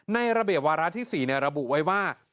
ในระเบียบวาระที่๔ระบุไว้ว่า